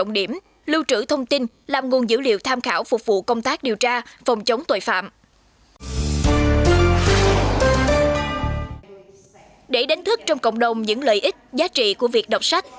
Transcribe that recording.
để đánh thức trong cộng đồng những lợi ích giá trị của việc đọc sách